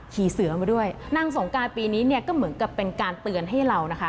ขี่เสื้อมาด้วยนางสงการปีนี้ก็เหมือนกับเป็นการเตือนให้เรา